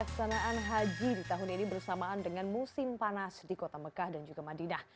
pelaksanaan haji di tahun ini bersamaan dengan musim panas di kota mekah dan juga madinah